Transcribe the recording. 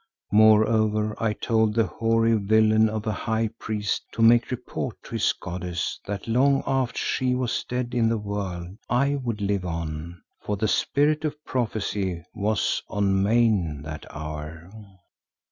Moreover I told the hoary villain of a high priest to make report to his goddess that long after she was dead in the world, I would live on, for the spirit of prophecy was on me in that hour.